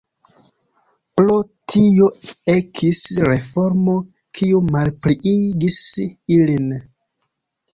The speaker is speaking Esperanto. Pro tio ekis reformo kiu malpliigis ilin.